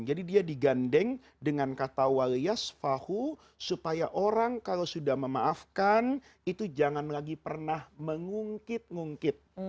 jadi dia digandeng dengan kata waliyas fahu supaya orang kalau sudah memaafkan itu jangan lagi pernah mengungkit ungkit